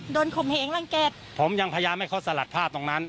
ข่มเหงรังแก่ผมยังพยายามให้เขาสลัดภาพตรงนั้น